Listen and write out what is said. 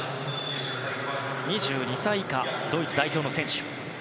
２２歳以下ドイツ代表の選手。